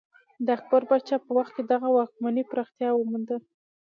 د اکبر پاچا په وخت کې دغه واکمنۍ پراختیا ومونده.